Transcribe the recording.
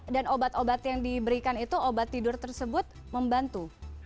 dan obat obat yang diberikan itu obat tidur tersebut membantu